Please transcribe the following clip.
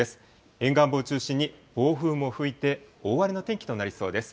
沿岸部を中心に暴風も吹いて、大荒れの天気となりそうです。